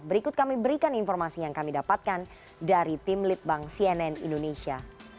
berikut kami berikan informasi yang kami dapatkan dari tim litbang cnn indonesia